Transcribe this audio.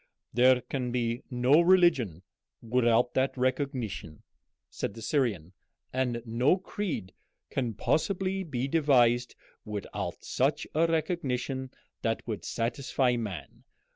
"There can be no religion without that recognition," said the Syrian, "and no creed can possibly be devised without such a recognition that would satisfy man.